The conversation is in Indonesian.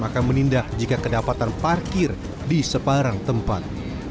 akan menindak jika kedapatan parkir di separang tempat